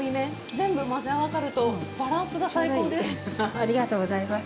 全部混ぜ合わさると、バランスがありがとうございます。